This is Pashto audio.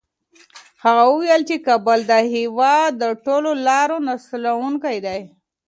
هغه وویل چي کابل د هېواد د ټولو لارو نښلوونکی دی.